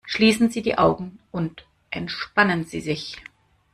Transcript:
Schließen Sie die Augen und entspannen Sie sich!